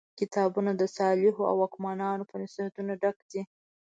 کتابونه د صالحو واکمنانو په نصیحتونو ډک دي.